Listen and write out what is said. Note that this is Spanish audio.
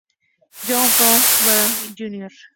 John Howard Gallagher, Jr.